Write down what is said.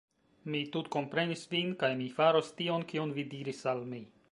Mi tutkomprenis vin, kaj mi faros tion kion vi diris al mi